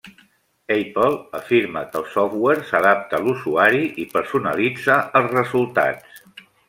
Apple afirma que el software s’adapta a l'usuari i personalitza els resultats.